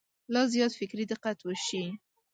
لا زیات فکري دقت وشي.